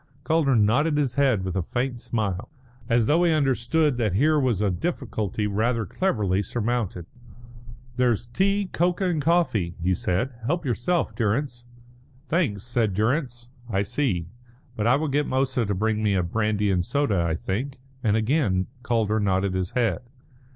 Calder nodded his head with a faint smile, as though he understood that here was a difficulty rather cleverly surmounted. "There's tea, cocoa, and coffee," he said. "Help yourself, Durrance." "Thanks," said Durrance. "I see, but I will get Moussa to bring me a brandy and soda, I think," and again Calder nodded his head.